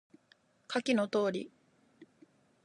下記の通り